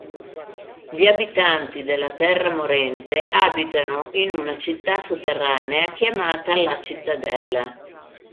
Gli abitanti della terra morente abitano in una città sotterranea chiamata La Cittadella.